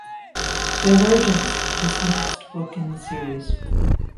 "Divergence" is the next book in the series.